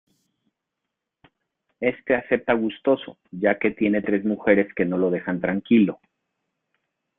Este acepta gustoso ya que tiene tres mujeres que no lo dejan tranquilo.